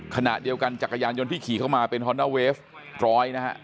ขณะเดียวกันจักรยานยนต์ที่ขี่เข้ามาเป็นฮอนด้าเวฟร้อยนะฮะ